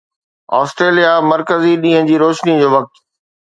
Australia مرڪزي ڏينهن جي روشني جو وقت